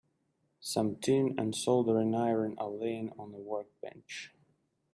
Some tin and a soldering iron are laying on the workbench.